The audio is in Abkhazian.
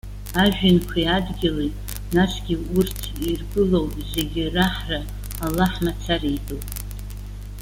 Ажәҩанқәеи адгьыли, насгьы урҭ иргәылоу зегьы раҳра Аллаҳ мацара итәуп.